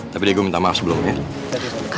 tapi dego minta maaf sebelumnya